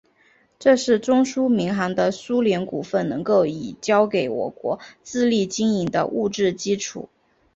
这是中苏民航的苏联股份能够已交给我国自力经营的物质基础。